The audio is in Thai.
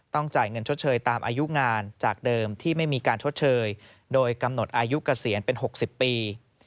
จ่ายเงินชดเชยตามอายุงานจากเดิมที่ไม่มีการชดเชยโดยกำหนดอายุเกษียณเป็น๖๐ปี